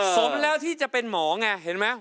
สมแล้วที่จะเป็นหมอไงเห็นไหม